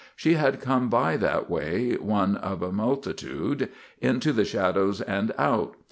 She had come by that way one of a multitude; into the shadows and out.